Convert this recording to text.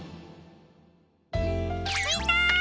みんな！